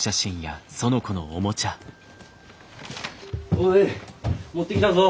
おい持ってきたぞ。